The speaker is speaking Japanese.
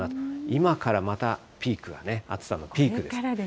今からまたピークがね、暑さのピークです。